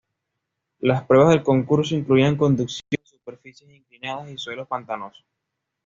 Las pruebas del concurso incluían conducción en superficies inclinadas y suelos pantanosos.